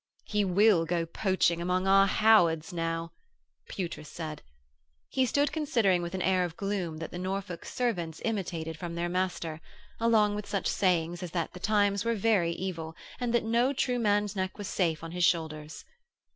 'He will go poaching among our Howards now,' Pewtress said. He stood considering with an air of gloom that the Norfolk servants imitated from their master, along with such sayings as that the times were very evil, and that no true man's neck was safe on his shoulders.